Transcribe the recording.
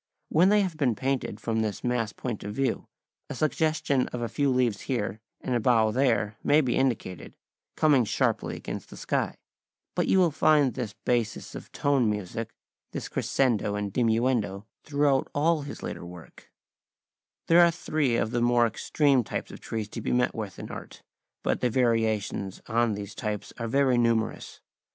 When they have been painted from this mass point of view, a suggestion of a few leaves here and a bough there may be indicated, coming sharply against the sky, but you will find this basis of tone music, this crescendo and diminuendo throughout all his later work (see illustration, page 215 [Transcribers Note: Diagram XXVI]). These are three of the more extreme types of trees to be met with in art, but the variations on these types are very numerous.